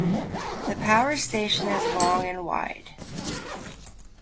The power station is long and wide.